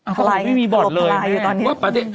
อะไรอัลปลายอยู่ตอนนี้